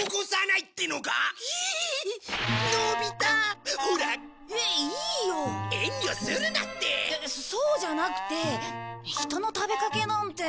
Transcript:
いやそうじゃなくて人の食べかけなんて。